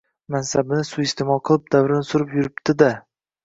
Mansabini suiiste`mol qilib, davrini surib yuribdi-da